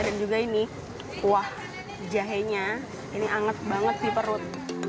dan juga ini kuah jahenya ini anget banget di perut